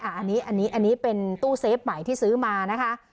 อ่าอันนี้อันนี้อันนี้เป็นตู้เซฟใหม่ที่ซื้อมานะคะ